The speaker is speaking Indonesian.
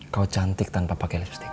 kau cantik tanpa pakai lipstick